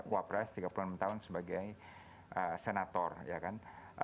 wapres tiga puluh enam tahun sebagai senator ya kan